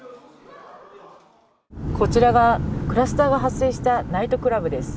こちらがクラスターが発生したナイトクラブです。